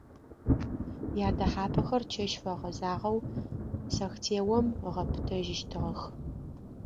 Ядэхьапӏэхэр чэщ фэгъэзагъэу сэхтеом ыгъэпытэжьыщтыгъэх.